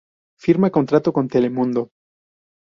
Firma contrato con Telemundo.